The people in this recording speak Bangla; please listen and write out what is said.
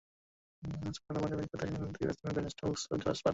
সুপার ওভারে ব্যাট করতে আসেন ইংল্যান্ডের দুই ব্যাটসম্যান বেন স্টোকস ও জস বাটলার।